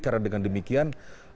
karena dengan demikian